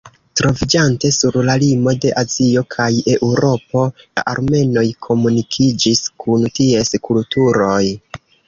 Troviĝante sur la limo de Azio kaj Eŭropo, la armenoj komunikiĝis kun ties kulturoj.